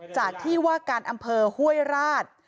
จากที่ว่าการอำเภอห้วยราช